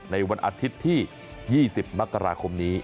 ในวันอาทิตย์ที่๒๐นนี้